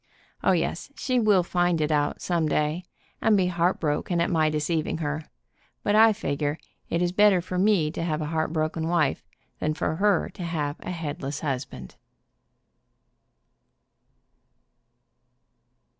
O, yes, she will find it out, some day, and be heartbroken at my deceiving her, but I figure it is better for me to have a heartbroken wife than for her to have a headless husband."